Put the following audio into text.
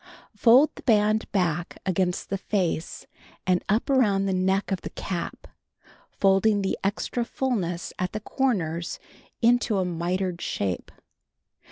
Fold the l)and back agamst the face and up around the neck of the cap, folding the extra fulness at the corners into a mitered shape.